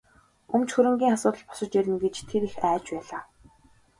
Өмч хөрөнгийн асуудал босож ирнэ гэж тэр их айж байлаа.